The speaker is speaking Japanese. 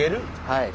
はい。